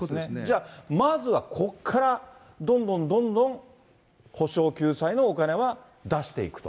じゃあ、まずはここから、どんどんどんどん補償・救済のお金は出していくと。